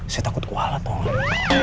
saya takut kualat mohon